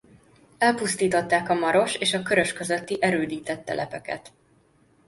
Elpusztították a Maros és a Körös közötti erődített telepeket.